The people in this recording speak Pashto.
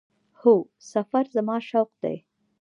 هو، سفر زما شوق دی